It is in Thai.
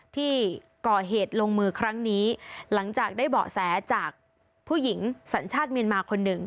ที่ก่อเหตุลงมือครั้งนี้หลังจากได้เบาะแสจากผู้หญิงสัญชาติเมียนมาคนหนึ่ง